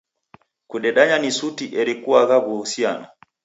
Kudedanya ni suti, eri kuagha w'uhusiano.